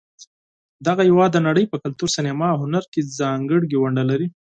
دغه هېواد د نړۍ په کلتور، سینما، او هنر کې ځانګړې ونډه لري.